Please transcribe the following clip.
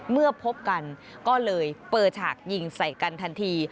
เมื่อพบกันก็เลยเปิดฉากยิงใส่กันทันที